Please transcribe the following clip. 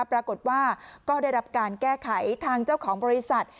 ปรากฏว่าก็ได้รับการแก้ไขทางเจ้าของบริษัท